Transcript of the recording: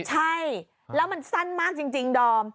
ใช่แล้วมันสั้นมากจริงดอม